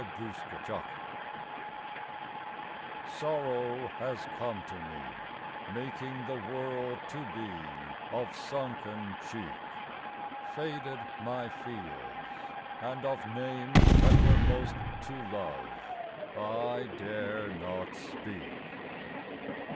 THE OLD WARRIOR Sorrow has come to me, Making the world to be Of sunken cheek; Faded my fields, and of Names that were most to love, I dare not speak.